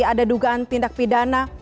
ada dugaan tindak pidana